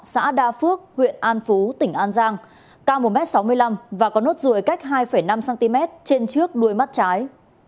xã đa phước huyện an phú tỉnh an giang cao một m sáu mươi năm và có nốt ruồi cách hai năm cm trên trước đuôi mắt trái